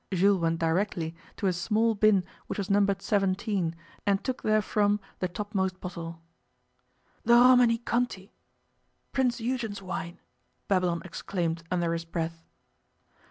Jules went directly to a small bin which was numbered 17, and took there from the topmost bottle. 'The Romanee Conti Prince Eugen's wine!' Babylon exclaimed under his breath.